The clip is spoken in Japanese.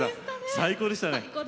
最高でした。